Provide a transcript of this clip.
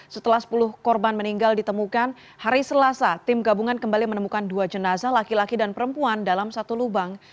setelah sepuluh korban meninggal ditemukan hari selasa tim gabungan kembali menemukan dua jenazah laki laki dan perempuan dalam satu lubang